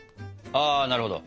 ああなるほど。